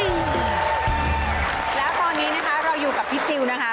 แล้วตอนนี้นะคะเราอยู่กับพี่จิลนะคะ